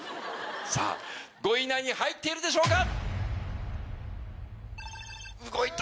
さぁ５位以内に入っているでしょうか